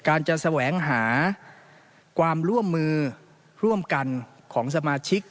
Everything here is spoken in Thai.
การจะแสวงหาความร่วมมือร่วมกันของสมาชิก